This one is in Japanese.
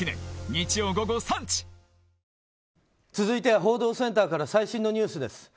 続いては報道センターから最新のニュースです。